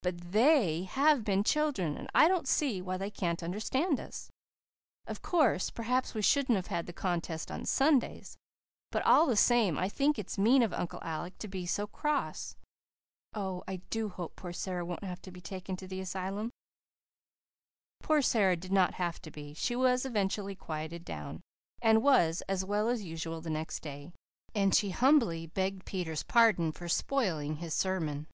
But THEY have been children, and I don't see why they can't understand us. Of course, perhaps we shouldn't have had the contest on Sundays. But all the same I think it's mean of Uncle Alec to be so cross. Oh, I do hope poor Sara won't have to be taken to the asylum." Poor Sara did not have to be. She was eventually quieted down, and was as well as usual the next day; and she humbly begged Peter's pardon for spoiling his sermon.